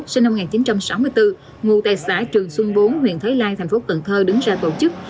sinh năm một nghìn chín trăm sáu mươi bốn ngụ tại xã trường xuân bốn huyện thới lai thành phố cần thơ đứng ra tổ chức